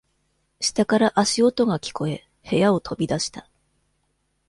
下から足音が聞こえ、部屋を飛び出した。